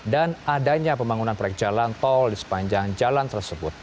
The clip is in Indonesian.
dan adanya pembangunan proyek jalan tol di sepanjang jalan tersebut